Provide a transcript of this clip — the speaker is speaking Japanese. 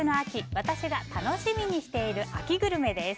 私が楽しみにしている秋グルメです。